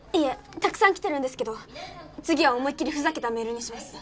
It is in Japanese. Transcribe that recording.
たくさん来てるんですけど次は思いっきりふざけたメールにします。